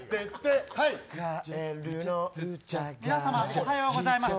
おはようございます